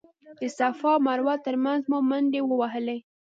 د صفا او مروه تر مینځ مو منډې ووهلې.